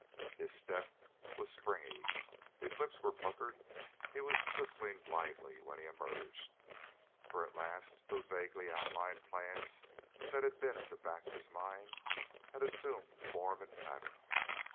His step was springy, his lips were puckered, he was whistling blithely when he emerged, for at last those vaguely outlined plans that had been at the back of his mind had assumed form and pattern.